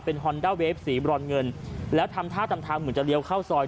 ฮอนด้าเวฟสีบรอนเงินแล้วทำท่าทำทางเหมือนจะเลี้ยวเข้าซอย